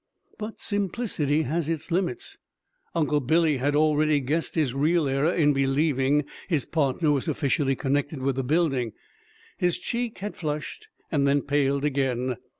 But simplicity has its limits. Uncle Billy had already guessed his real error in believing his partner was officially connected with the building; his cheek had flushed and then paled again.